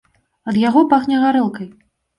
Ад яго пахне гарэлкай.